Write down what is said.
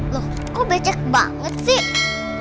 loh kok becek banget sih